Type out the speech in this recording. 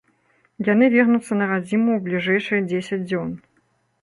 Яны вернуцца на радзіму ў бліжэйшыя дзесяць дзён.